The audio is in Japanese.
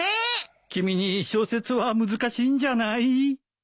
君に小説は難しいんじゃない？